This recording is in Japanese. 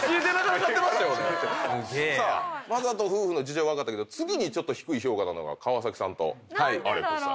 魔裟斗夫婦の事情は分かったけど次にちょっと低い評価なのが川崎さんとアレク夫妻。